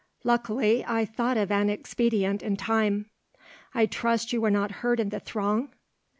Luckily I thought of an expedient in time. I trust you were not hurt in the throng?"